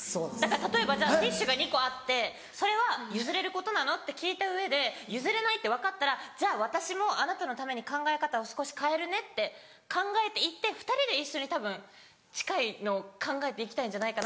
例えばティッシュが２個あって「それは譲れることなの？」って聞いた上で譲れないって分かったら「じゃあ私もあなたのために考え方を少し変えるね」って考えて行って２人で一緒にたぶん近いのを考えて行きたいんじゃないかな。